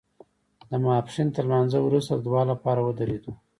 د ماسپښین تر لمانځه وروسته د دعا لپاره ودرېدو.